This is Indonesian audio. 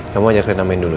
kamu ajak reina main dulu ya